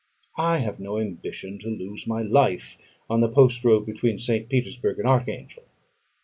I have no ambition to lose my life on the post road between St. Petersburgh and Archangel.